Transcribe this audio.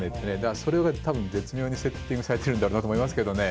それが多分絶妙にセッティングされてるんだろうなと思いますけどね。